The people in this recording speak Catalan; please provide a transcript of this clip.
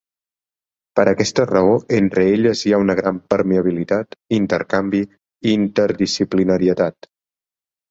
Per aquesta raó, entre elles hi ha una gran permeabilitat, intercanvi i interdisciplinarietat.